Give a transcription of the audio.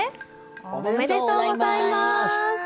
おめでとうございます。